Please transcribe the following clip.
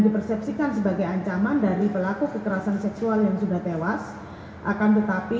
dipersepsikan sebagai ancaman dari pelaku kekerasan seksual yang sudah tewas akan tetapi